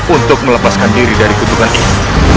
untuk melepaskan diri dari kedugaan itu